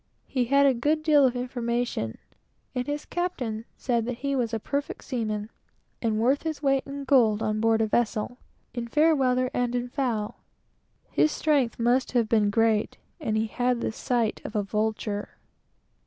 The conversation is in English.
He had a good deal of information, and his captain said he was a perfect seaman, and worth his weight in gold on board a vessel, in fair weather and in foul. His strength must have been great, and he had the sight of a vulture.